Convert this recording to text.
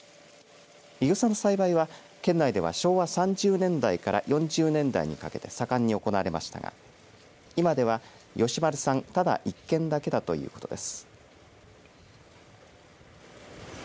イグサの栽培は県内では昭和３０年代から４０年代にかけて盛んに行われましたが今では吉丸さんただ１軒だけだということです。